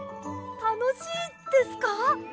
たのしいですか？